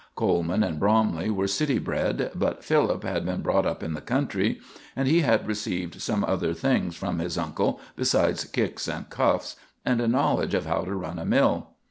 Coleman and Bromley were city bred, but Philip had been brought up in the country, and he had received some other things from his uncle besides kicks and cuffs and a knowledge of how to run a mill.